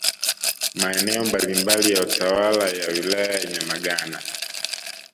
Maeneo mbalimbali ya utawala ya Wilaya ya Nyamagana